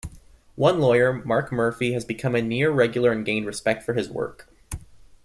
One, lawyer Marc Murphy, has become a near-regular and gained respect for his work.